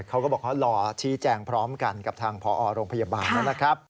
เขาก็บอกเขารอชี้แจงพร้อมกันกับทางพอโรงพยาบาลแล้วนะครับ